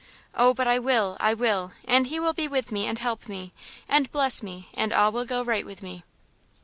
Oh, but I will! I will; and he will be with me, and help me, and bless me, and all will go right with me."